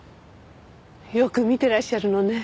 よく見てらっしゃるのね。